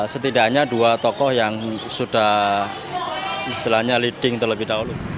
setidaknya dua tokoh yang sudah istilahnya leading terlebih dahulu